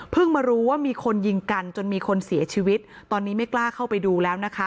มารู้ว่ามีคนยิงกันจนมีคนเสียชีวิตตอนนี้ไม่กล้าเข้าไปดูแล้วนะคะ